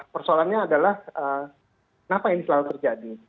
persoalannya adalah kenapa ini selalu terjadi